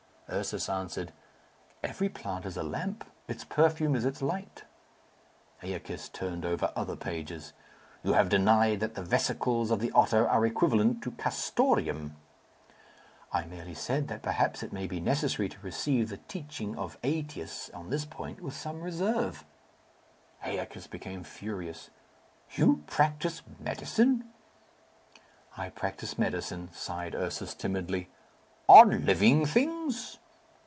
Ursus answered, "Every plant is a lamp. Its perfume is its light." Æacus turned over other pages. "You have denied that the vesicles of the otter are equivalent to castoreum." "I merely said that perhaps it may be necessary to receive the teaching of Ætius on this point with some reserve." Æacus became furious. "You practise medicine?" "I practise medicine," sighed Ursus timidly. "On living things?"